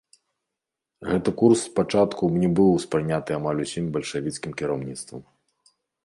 Гэты курс спачатку не быў успрыняты амаль усім бальшавіцкім кіраўніцтвам.